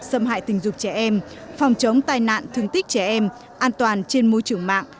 xâm hại tình dục trẻ em phòng chống tai nạn thương tích trẻ em an toàn trên môi trường mạng